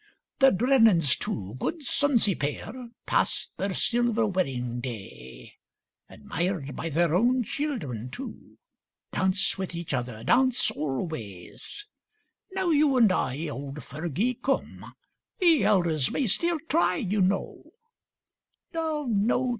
The Drennens too, good sonsy pair, Passed their silver wedding day, 139 END OF HARDEST. Admired by their own children too, Dance with each other, dance alway. Now you and I, old Fergie, come, We elders may still try, you know, No, no